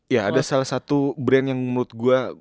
ya ada salah satu brand yang menurut gue